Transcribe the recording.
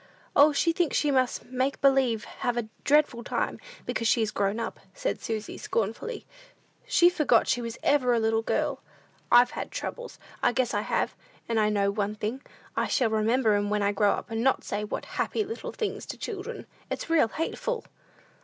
"O, she thinks she must make believe have a dreadful time, because she is grown up," said Susy, scornfully. "She's forgot she was ever a little girl! I've had troubles; I guess I have! And I know one thing, I shall remember 'em when I grow up, and not say, 'What happy little things!' to children. It's real hateful!"